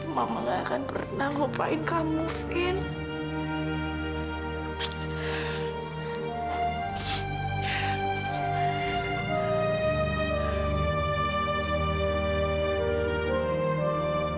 mama gak akan pernah lupain kamu vino